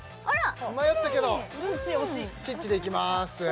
迷ったけどチッチでいきますンッチ推し！